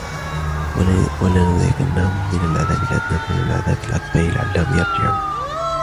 ولنذيقنهم من العذاب الأدنى دون العذاب الأكبر لعلهم يرجعون